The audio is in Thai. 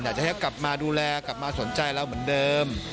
อยากจะให้กลับมาดูแลกลับมาสนใจเราเหมือนเดิม